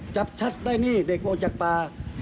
จับชัดได้นี่เด็กออกจากป่า